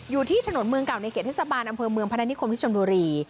อยู่ที่ถนนเมืองค์เกาะไนเกียรติศาบาลอำเภอเมืองพนันธิคมที่จมดุรี